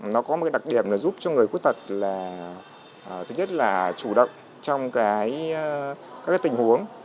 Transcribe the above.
nó có một đặc điểm là giúp cho người khuyết tật là thứ nhất là chủ động trong các tình huống